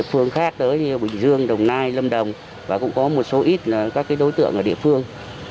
hôm nay lâm đồng và cũng có một số ít các đối tượng ở địa phương